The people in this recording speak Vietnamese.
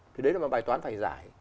thì đấy là một bài toán phải giải